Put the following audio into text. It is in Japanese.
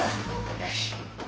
よし。